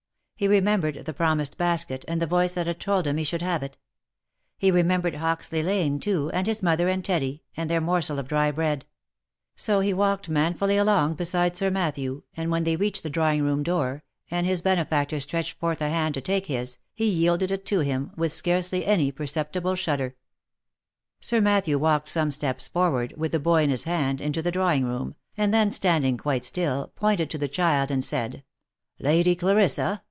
He remembered the promised basket, and the voice that had told him he should have it; he re membered Hoxley lane too, and his mother, and Teddy, and their morsel of dry bread; so he walked manfully along beside Sir Matthew, and when they reached the drawing room door, and his benefactor stretched forth a hand to take his, he yielded it to him, with scarcely any perceptible shudder. Sir Matthew walked some steps forward, with the boy in his hand, into the drawing room, and then standing quite still, pointed to the child, and said, " Lady Clarissa